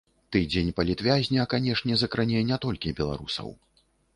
Тыдзень палітвязня, канешне, закране не толькі беларусаў.